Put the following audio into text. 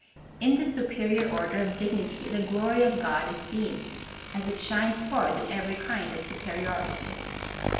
In this su perior order of dignity the glory of God is seen, as it shines forth in every kind of superiority.